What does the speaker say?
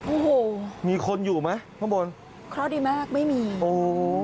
โอ้โหมีคนอยู่ไหมข้างบนเคราะห์ดีมากไม่มีโอ้โห